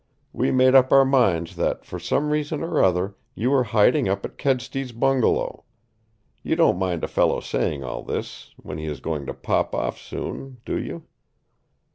We made up our minds that for some reason or other you were hiding up at Kedsty's bungalow. You don't mind a fellow saying all this when he is going to pop off soon do you?"